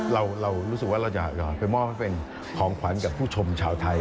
เรารู้สึกว่าเราจะไปมอบให้เป็นของขวัญกับผู้ชมชาวไทย